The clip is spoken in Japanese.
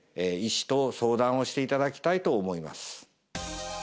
医師と相談をしていただきたいと思います